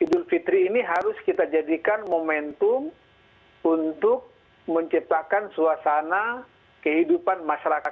idul fitri ini harus kita jadikan momentum untuk menciptakan suasana kehidupan masyarakat